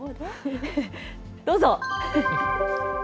どうぞ。